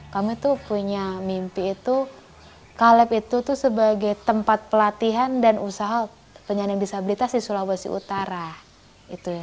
kami tuh punya mimpi itu caleb itu tuh sebagai tempat pelatihan dan usaha penyandang disabilitas di sulawesi utara